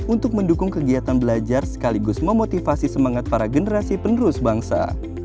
untuk mendukung kegiatan belajar sekaligus memotivasi semangat para generasi penerus bangsa